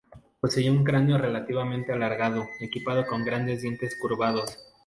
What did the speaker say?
Poseía un cráneo relativamente alargado, equipado con grandes dientes curvados.